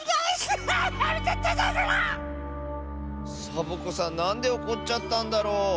サボ子さんなんでおこっちゃったんだろう。